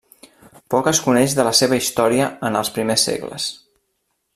Poc es coneix de la seva història en els primers segles.